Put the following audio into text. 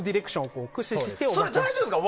それ、大丈夫ですか？